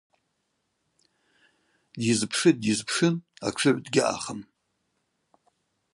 Дйызпшытӏ-дйызпшын – атшыгӏв дгьаъахым.